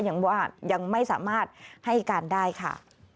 ยังว่ายังไม่สามารถให้การได้ค่ะ